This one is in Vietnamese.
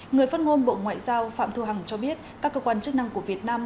người phát ngôn bộ ngoại giao phạm thu hằng cho biết các cơ quan chức năng của việt nam